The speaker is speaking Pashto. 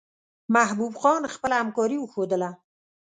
محبوب خان خپله همکاري وښودله.